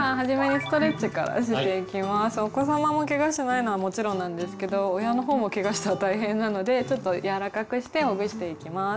お子様もけがしないのはもちろんなんですけど親の方もけがしたら大変なのでちょっと柔らかくしてほぐしていきます。